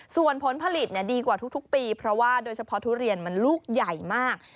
ส่วนผลผลิตดีกว่าทุกปีเพราะว่าโดยเฉพาะทุเรียนมันลูกใหญ่มาก